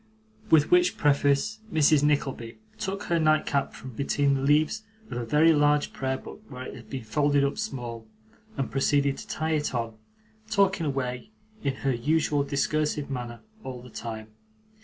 With which preface, Mrs. Nickleby took her nightcap from between the leaves of a very large prayer book where it had been folded up small, and proceeded to tie it on: talking away in her usual discursive manner, all the time.